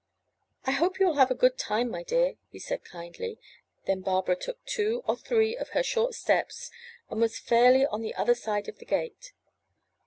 *'I hope you will have a good time, my dear/' said he kindly; then Barbara took two or three of her short steps, and was fairly on the other side of the gate.